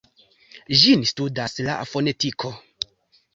Ĝin studas la fonetiko.